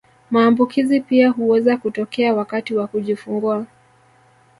Maambukizi pia huweza kutokea wakati wa kujifungua